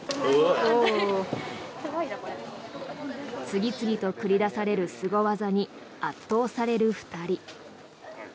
次々と繰り出されるすご技に圧倒される２人。